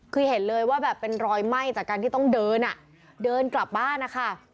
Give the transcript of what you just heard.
คือเห็นเลยว่าแบบเป็นรอยไหม้จากการที่ต้องเดินอ่ะเดินเดินกลับบ้านนะคะ